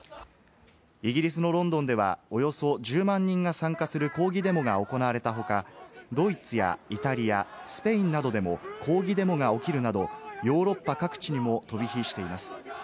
イギリスのロンドンでは、およそ１０万人が参加する抗議デモが行われた他、ドイツやイタリア、スペインなどでも抗議デモが起きるなど、ヨーロッパ各地にも飛び火しています。